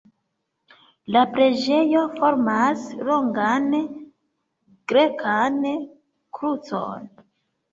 La preĝejo formas longan grekan krucon.